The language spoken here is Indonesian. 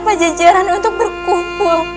pajajaran untuk berkumpul